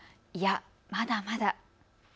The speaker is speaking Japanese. いや、まだまだ。